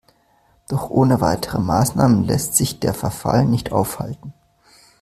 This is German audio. Doch ohne weitere Maßnahmen lässt sich der Verfall nicht aufhalten.